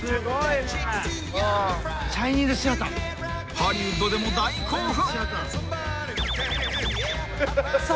［ハリウッドでも大興奮］